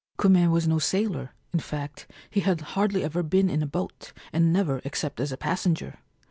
Kume was no sailor ; in fact, he had hardly ever been in a boat, and never except as a passenger.